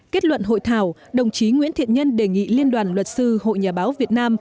kết luận hội thảo đồng chí nguyễn thiện nhân đề nghị liên đoàn luật sư hội nhà báo việt nam